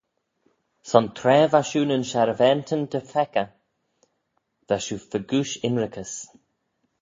Son tra va shiu nyn sharvaantyn dy pheccah, va shiu fegooish ynrickys.